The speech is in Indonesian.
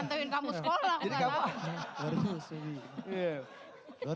aku enggak ngantuin kamu sekolah